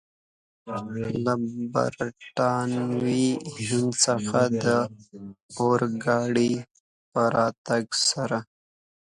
له برټانوي هند څخه د اورګاډي په راتګ سره.